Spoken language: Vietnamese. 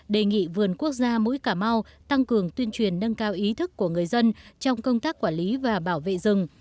đề nghị vườn quốc gia mũi cả mau tăng cường tuyên truyền nâng cấp rừng